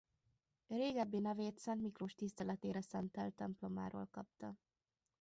Régebbi nevét Szent Miklós tiszteletére szentelt templomáról kapta.